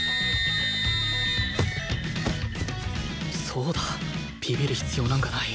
そうだビビる必要なんかない